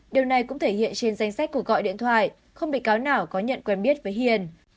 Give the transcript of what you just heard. điều này cũng thể hiện trên danh sách của gọi điện thoại không bị cáo nào có nhận quen biết với hiền